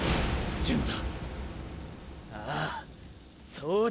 純太！